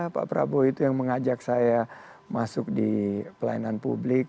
pak prabowo itu yang mengajak saya masuk di pelayanan publik